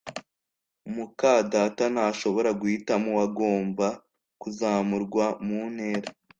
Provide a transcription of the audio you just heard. muka data ntashobora guhitamo uwagomba kuzamurwa mu ntera